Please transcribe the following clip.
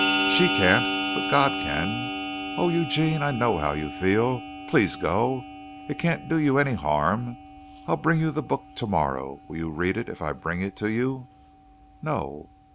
"She can't, but God can. Oh, Eugene, I know how you feel! Please go. It can't do you any harm. I'll bring you the book tomorrow. Will you read it if I bring it to you?" "No."